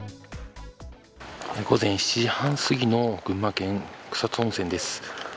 午前７時半すぎの群馬県、草津温泉です。